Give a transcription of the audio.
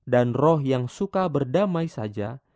dan roh yang suka berdamai saja